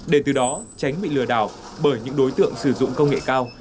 để từ đó tránh bị lừa đảo bởi những đối tượng sử dụng công nghệ cao